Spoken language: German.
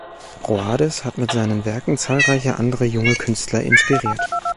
Rhoades hat mit seinen Werken zahlreiche andere junge Künstler inspiriert.